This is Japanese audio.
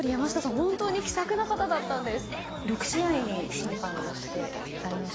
本当に気さくな方だったんです。